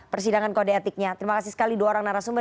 persidangan kode etiknya terima kasih sekali dua orang narasumber